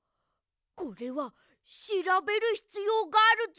これはしらべるひつようがあるぞ！